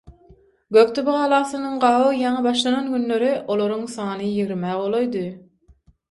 Gökdepe galasynyň gabaw ýaňy başlanan günleri olaryň sany ýigrimä golaýdy.